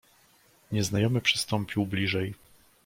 "Nieznajomy przystąpił bliżej."